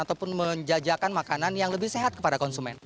ataupun menjajakan makanan yang lebih sehat kepada konsumen